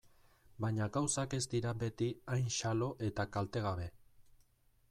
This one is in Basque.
Baina gauzak ez dira beti hain xalo eta kaltegabe.